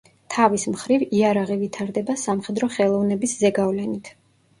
თავის მხრივ იარაღი ვითარდება სამხედრო ხელოვნების ზეგავლენით.